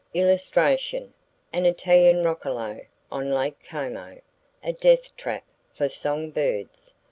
[Page 95] AN ITALIAN ROCCOLO, ON LAKE COMO A Death Trap for Song Birds.